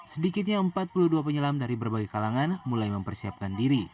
sedikitnya empat puluh dua penyelam dari berbagai kalangan mulai mempersiapkan diri